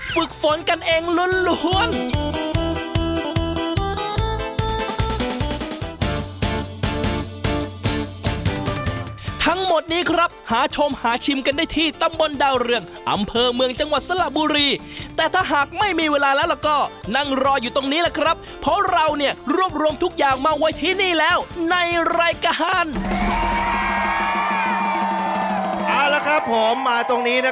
ฝึกฝนกันเองล้วนล้วน